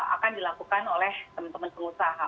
akan dilakukan oleh teman teman pengusaha